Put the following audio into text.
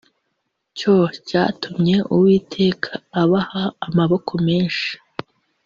cyo cyatumye Uwiteka abaaha amaboko menshi